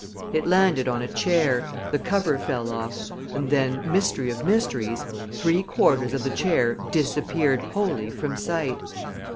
It landed on a chair, the cover fell off, and then, mystery of mysteries, three quarters of the chair disappeared wholly from sight.